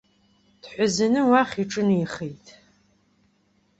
Дҳәазаны уахь иҿынеихеит.